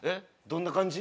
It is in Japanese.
どんな感じ？